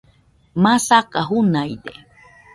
masaka junaide